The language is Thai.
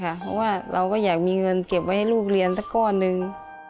เพราะว่าเราก็อยากมีเงินเก็บไว้ให้ลูกเรียนสักก้อนหนึ่ง